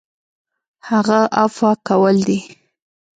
هغه عفوه کول دي .